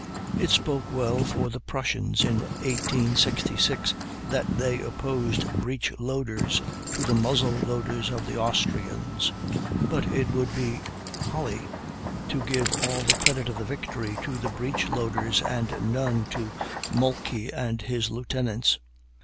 It spoke well for the Prussians in 1866 that they opposed breech loaders to the muzzle loaders of the Austrians; but it would be folly to give all the credit of the victory to the breech loaders and none to Moltke and his lieutenants.